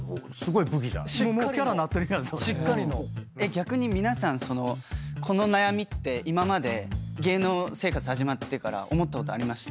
逆に皆さんこの悩みって今まで芸能生活始まってから思ったことありました？